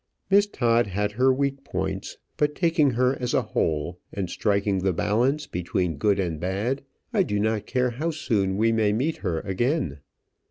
Miss Todd had her weak points, but taking her as a whole, and striking the balance between good and bad, I do not care how soon we may meet her again.